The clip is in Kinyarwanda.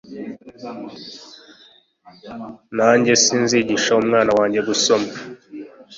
Nanjye sinzigisha umwana wanjye gusoma